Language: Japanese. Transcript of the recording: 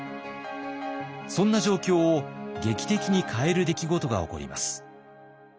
そんな状況を劇的に変える出来事が起こります。